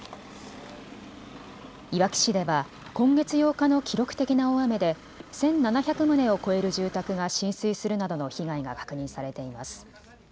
いわき市では今月８日の記録的な大雨で１７００棟を超える住宅が浸水するなどの被害が確認されています。